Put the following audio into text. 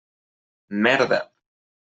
Merda.